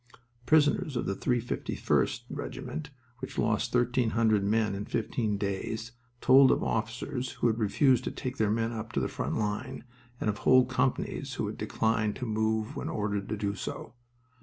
Prisoners of the 351st Regiment, which lost thirteen hundred men in fifteen days, told of officers who had refused to take their men up to the front line, and of whole companies who had declined to move when ordered to do so.